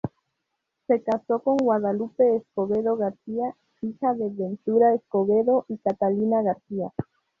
Se casó con Guadalupe Escobedo García, hija de Ventura Escobedo y Catalina García.